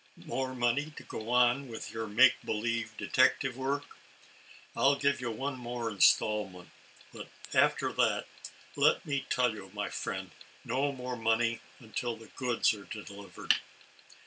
More money, to go on with your make believe detective work ? I'll give you one more installment, but, after that, let me tell you, my friend, no more money, until the goods are delivered."